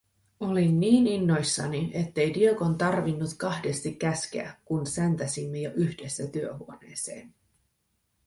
Olin niin innoissani, ettei Diegon tarvinnut kahdesti käskeä, kun säntäsimme jo yhdessä työhuoneeseen.